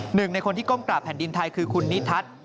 หนึ่งในคนที่ก้มกราบแผ่นดินไทยคือคุณนิทัศน์